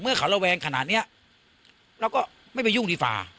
เขาระแวงขนาดนี้เราก็ไม่ไปยุ่งดีฟา